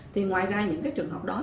thì ngoài ra những trường hợp đó